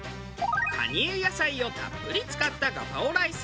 蟹江野菜をたっぷり使ったガパオライス